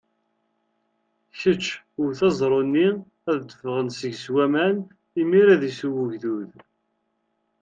Kečč, wet aẓru-nni, ad d-ffɣen seg-s waman, imiren ad isew ugdud.